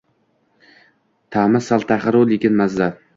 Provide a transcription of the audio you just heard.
Taʼmi sal taxir-u lekin maza!